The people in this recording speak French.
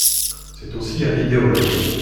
C'est aussi un idéologue.